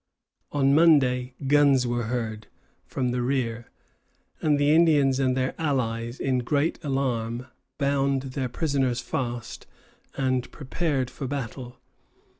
On Monday guns were heard from the rear, and the Indians and their allies, in great alarm, bound their prisoners fast, and prepared for battle.